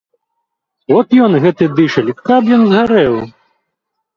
От ён, гэты дышаль, каб ён згарэў!